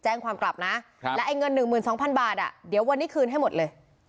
แจ้งความกลับนะครับแล้วไอ้เงินหนึ่งหมื่นสองพันบาทอ่ะเดี๋ยววันนี้คืนให้หมดเลย